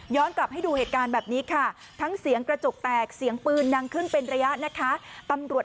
กลับให้ดูเหตุการณ์แบบนี้ค่ะทั้งเสียงกระจกแตกเสียงปืนดังขึ้นเป็นระยะนะคะ